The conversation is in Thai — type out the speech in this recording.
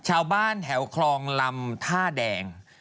ชาวบ้านแถวคลองลำท่าแดง